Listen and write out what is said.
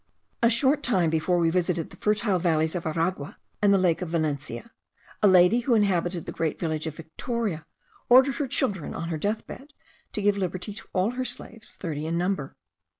A short time before we visited the fertile valleys of Aragua and the lake of Valencia, a lady who inhabited the great village of Victoria, ordered her children, on her death bed, to give liberty to all her slaves, thirty in number.